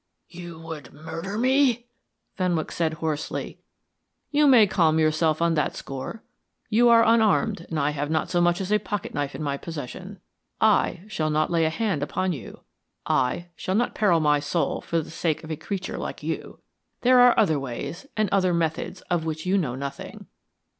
"You would murder me?" Fenwick said hoarsely. "You may calm yourself on that score. You are unarmed, and I have not so much as a pocket knife in my possession. I shall not lay a hand upon you I shall not peril my soul for the sake of a creature like you. There are other ways and other methods of which you know nothing."